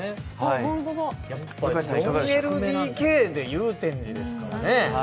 やっぱり４ＬＤＫで祐天寺ですからね。